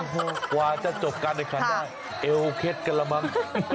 กว่าจะจบการในขณะเอวเคล็ดกันละมั้ง